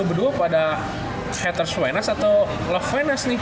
lo berdua apa ada haters wenas atau love wenas nih